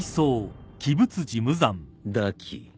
堕姫